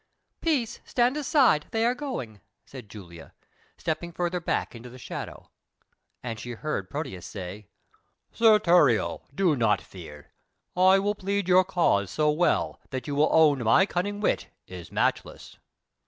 "Peace, stand aside, they are going," said Julia, stepping further back into the shadow; and she heard Proteus say: "Sir Thurio, do not fear; I will plead your cause so well that you will own my cunning wit is matchless."